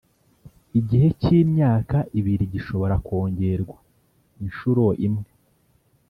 Igihe cy’imyaka ibiri gishobora kongerwa inshuro imwe